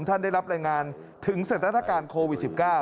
ท่านได้รับรายงานถึงสถานการณ์โควิด๑๙